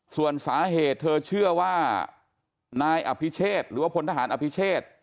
ส่วนสาเหตุเธอเชื่อว่านายอภิเชษหรือว่าพลทหารอภิเชษ